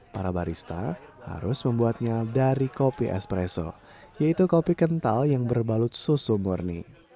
para barista harus membuatnya dari kopi espresso yaitu kopi kental yang berbalut susu murni